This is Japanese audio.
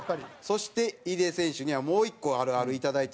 そして入江選手にはもう１個あるあるいただいてます。